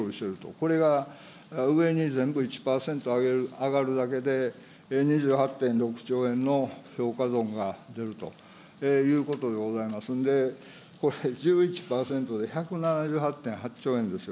これが上に全部１％上がるだけで、２８．６兆円の評価損が出るということでございますので、それでこれ、１１％で１７８．８兆円ですよ。